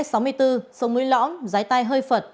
sống mũi lõm giái tay hơi phật